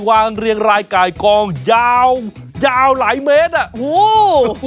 วางเลี้ยงรายกายกองยาวยาวหลายเมตรอ่ะโห